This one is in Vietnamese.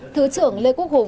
thứ trưởng lê quốc hùng